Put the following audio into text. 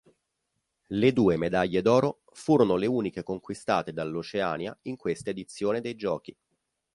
Le due medaglie d'oro furono le uniche conquistate dall'Oceania in questa edizione dei Giochi.